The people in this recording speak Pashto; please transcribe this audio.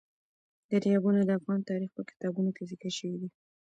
دریابونه د افغان تاریخ په کتابونو کې ذکر شوی دي.